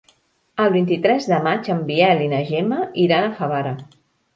El vint-i-tres de maig en Biel i na Gemma iran a Favara.